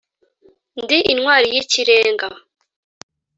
ndi intwari y’ikirenga